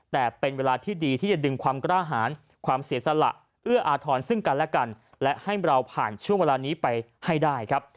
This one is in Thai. แต่เป็นเวลาที่ดีที่จะดึงความกล้าหารความเสียสละเอื้ออาทรซึ่งกันและกันและให้เราผ่านช่วงเวลานี้ไปให้ได้ครับ